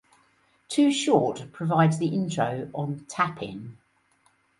Too Short provides the intro on "Tap In".